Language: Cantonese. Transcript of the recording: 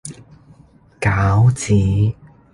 餃子